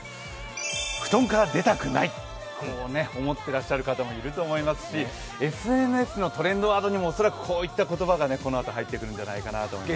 布団から出たくないと思ってらっしゃる方いると思いますしＳＮＳのトレンドワードにもおそらくこういった言葉が入ってくるんじゃないかなと思います。